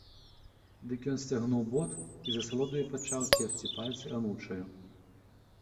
Дык ён сцягнуў бот і з асалодаю пачаў церці пальцы анучаю.